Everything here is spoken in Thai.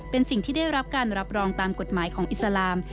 เป็นสิ่งที่ได้รับการรับรองตามกฎหมายของอิสลาม